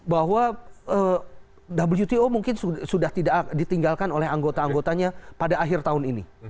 bahwa wto mungkin sudah tidak ditinggalkan oleh anggota anggotanya pada akhir tahun ini